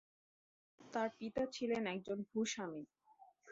তার পিতা ছিলেন একজন ভূস্বামী।